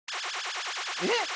「えっ？」